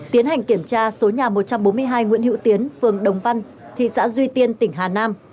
tiến hành kiểm tra số nhà một trăm bốn mươi hai nguyễn hữu tiến phường đồng văn thị xã duy tiên tỉnh hà nam